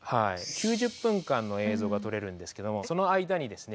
９０分間の映像が撮れるんですけどもその間にですね